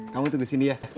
kamu tunggu sini ya